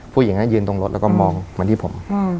ผู้หญิงนั้นยืนตรงรถแล้วก็มองมาที่ผม